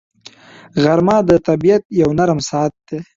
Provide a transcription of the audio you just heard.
غرمه د طبیعت یو نرم ساعت دی